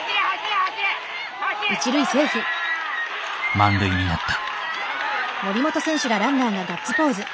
満塁になった。